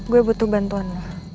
gue butuh bantuan lo